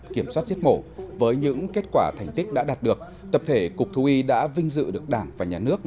kiểm soát giết mổ với những kết quả thành tích đã đạt được tập thể cục thú y đã vinh dự được đảng và nhà nước